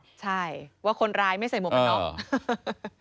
ใช่ว่าคนร้ายไม่ใส่มุมกับน้อง